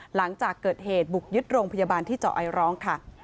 หลังจากเกิดเหตุบุกยึดโรงพยาบาลที่เจาะไอร้องค่ะ